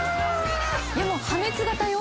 でも破滅型よ。